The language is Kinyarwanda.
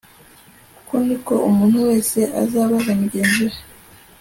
uku ni ko umuntu wese azabaza mugenzi we